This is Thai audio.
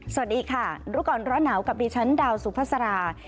สวัสดีค่ะรู้ก่อนร้อนหนาวกับดิฉันดาวสุภาษา